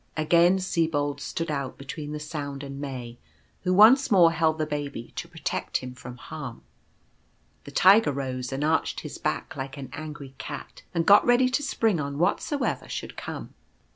Again Sibold stood out between the sound and May, who once more held the Baby to protect him from harm. The Tiger rose and arched his back like an angry cat, and got ready to spring on whatsoever should come.